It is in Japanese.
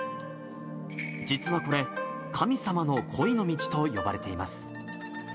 実はこれ、神様の恋の道と呼ばれています。